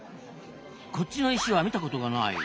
こっちの石は見たことがない。